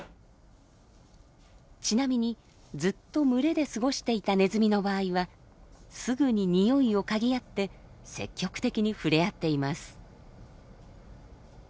ちなみにずっと群れで過ごしていたネズミの場合はすぐに匂いをかぎ合って積極的に触れ合っています。